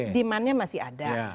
demandnya masih ada